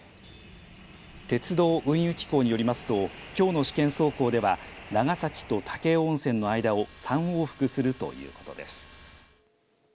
鉄道・運輸機構によりますときょうの試験走行では長崎と武雄温泉の間を３往復するということです。